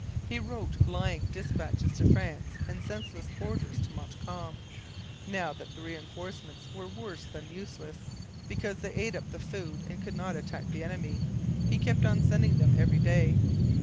He wrote lying dispatches to France and senseless orders to Montcalm. Now that reinforcements were worse than useless, because they ate up the food and could not attack the enemy, he kept on sending them every day.